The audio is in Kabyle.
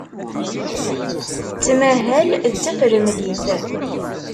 Tettmahal d tafremlit.